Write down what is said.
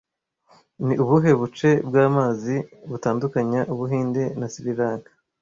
Ni ubuhe buce bw'amazi butandukanya Ubuhinde na Sri Lanka